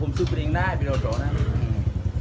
ไม่เหมือนกับคุณพล